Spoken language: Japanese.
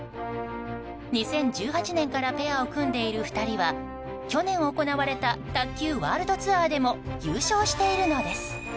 ２０１８年からペアを組んでいる２人は去年行われた卓球ワールドツアーでも優勝しているのです。